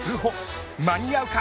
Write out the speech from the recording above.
間に合うか！